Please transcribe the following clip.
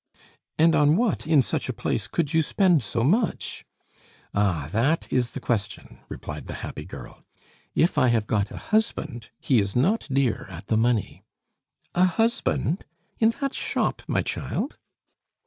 "And on what, in such a place, could you spend so much?" "Ah! that is the question!" replied the happy girl. "If I have got a husband, he is not dear at the money." "A husband! In that shop, my child?"